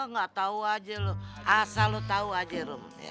gak tau aja lu asal lu tau aja rum